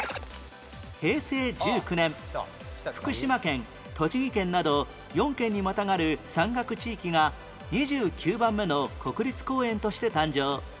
平成１９年福島県栃木県など４県にまたがる山岳地域が２９番目の国立公園として誕生